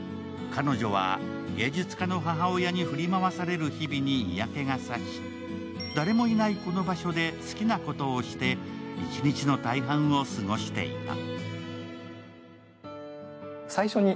彼女は芸術家の母親に振り回される日々に嫌気が差し、誰もいないこの場所で好きなことをして一日の大半を過ごしていた。